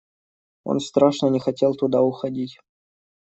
Он страшно не хотел туда уходить.